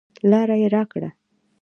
لاره یې راکړه.